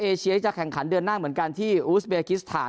เอเชียจะแข่งขันเดือนหน้าเหมือนกันที่อูสเบกิสถาน